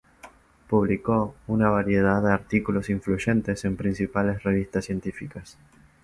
Publicó una variedad de artículos influyentes en principales revistas científicas.